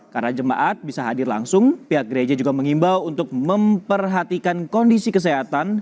karena jemaat bisa hadir langsung pihak gereja juga mengimbau untuk memperhatikan kondisi kesehatan